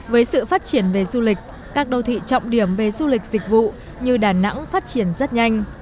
với sự phát triển về du lịch các đô thị trọng điểm về du lịch dịch vụ như đà nẵng phát triển rất nhanh